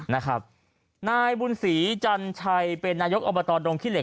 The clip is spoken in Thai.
นะครับนายบุญศรีจันทรัยเป็นนายกอบตรดงค์ขี้เหล็ก